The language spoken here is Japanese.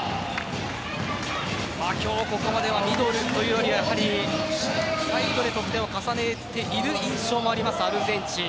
今日ここまでミドルというよりはサイドで得点を重ねている印象もあるアルゼンチン。